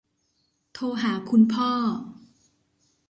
โทรหาคุณพ่อ